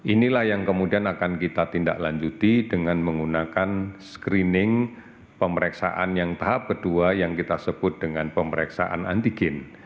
inilah yang kemudian akan kita tindak lanjuti dengan menggunakan screening pemeriksaan yang tahap kedua yang kita sebut dengan pemeriksaan antigen